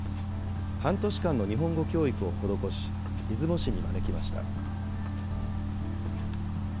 半年間の日本語教育を施し、出雲市に招きました。